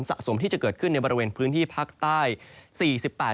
สะสมที่จะเกิดขึ้นในบริเวณพื้นที่ภาคใต้